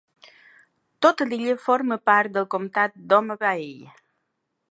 Tota l'illa forma part del comtat d'Homa Bay.